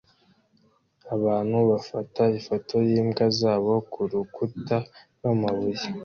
abantu bafata ifoto yimbwa zabo kurukuta rwamabuye